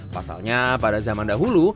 pasalnya pada zaman dahulu